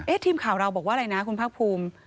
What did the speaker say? ทีมข่าวเราบอกว่าอะไรนะคุณภาคภูมิ